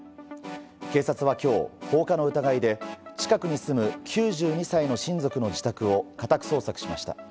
警察は今日、放火の疑いで近くに住む９２歳の親族の自宅を家宅捜索しました。